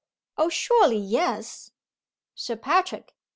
"Oh, surely yes!" "Sir Patrick!